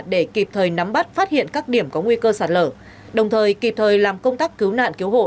để kịp thời nắm bắt phát hiện các điểm có nguy cơ sạt lở đồng thời kịp thời làm công tác cứu nạn cứu hộ